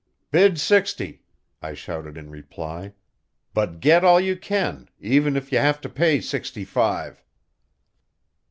"Bid sixty," I shouted in reply, "but get all you can, even if you have to pay sixty five."